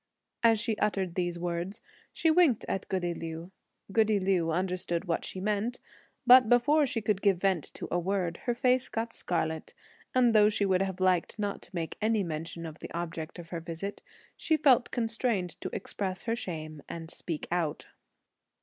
As she uttered these words, she winked at goody Liu. Goody Liu understood what she meant, but before she could give vent to a word, her face got scarlet, and though she would have liked not to make any mention of the object of her visit, she felt constrained to suppress her shame and to speak out.